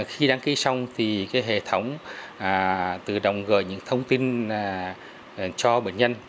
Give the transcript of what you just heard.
khi đăng ký xong thì hệ thống tự động gửi những thông tin cho bệnh nhân